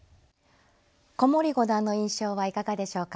古森五段の印象はいかがでしょうか。